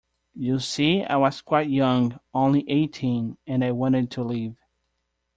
You see, I was quite young — only eighteen — and I wanted to live.